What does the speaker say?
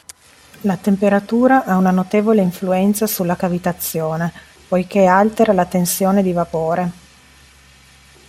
La temperatura ha una notevole influenza sulla cavitazione, poiché altera la tensione di vapore.